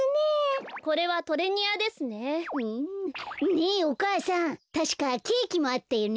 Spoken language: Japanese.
ねえお母さんたしかケーキもあったよね。